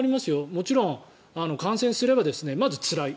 もちろん感染すればまず、つらい。